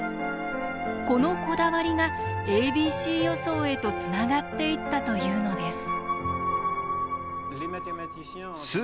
このこだわりがａｂｃ予想へとつながっていったというのです。